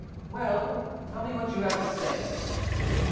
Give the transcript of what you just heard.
"Well, tell me what you have to say."